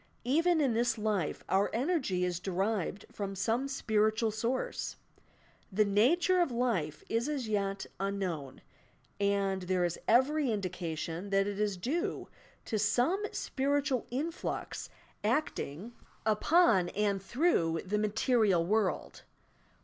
Even in this life our energy is derived from some spiritual source. The nature of life is as yet unltnown, and there is every indication that it is due to some spiritual influx acting i 60 YOUR PSYCHIC POWERS upon and through the material world.